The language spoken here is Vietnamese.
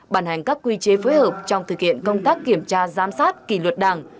bàn hành các quy chế phối hợp trong thực hiện công tác kiểm tra giám sát kỳ luật đảng